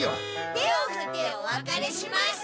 手をふっておわかれします！